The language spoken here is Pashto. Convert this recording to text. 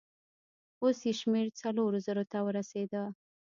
اوس يې شمېر څلورو زرو ته رسېده.